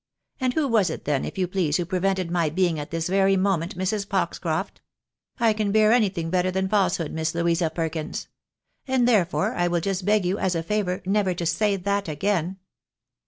And who was it then, if you please, who prevented my being at this very moment Mrs. Foxcroft ? I can bear anything better than falsehood, Miss Louisa Perkins. And, therefore, I will just beg you, as a favour, never to say that again."